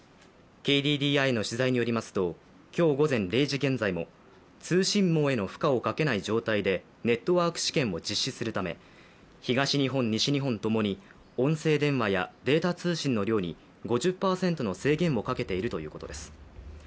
ＫＤＤＩへの取材によりますと、今日午前０時現在も通信網への負荷をかけない状態でネットワーク試験を実施するため東日本、西日本ともに音声電話やデータ通信の量に５０％の制限をかけているということです。